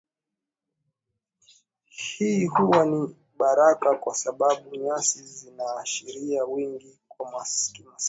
Hii huwa ni baraka kwa sababu nyasi zinaashiria wingi kwa kimaasai